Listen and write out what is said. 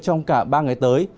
trong cả ba ngày tới